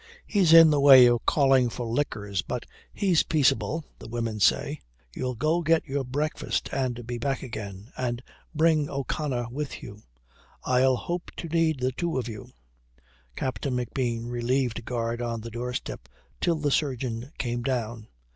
"He's in the way of calling for liquors, but he's peaceable, the women say." "You'll go get your breakfast and be back again. And bring O'Connor with you. I'll hope to need the two of you." Captain McBean relieved guard on the doorstep till the surgeon came down.